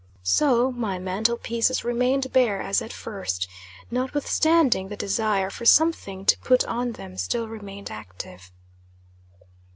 So my mantel pieces remained bare as at first, notwithstanding the desire for something to put on them still remained active.